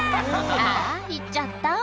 ああ、行っちゃった。